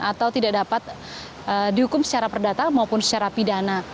atau tidak dapat dihukum secara perdata maupun secara pidana